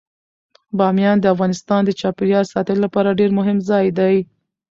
بامیان د افغانستان د چاپیریال ساتنې لپاره ډیر مهم ځای دی.